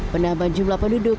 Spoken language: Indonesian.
penambahan jumlah penduduk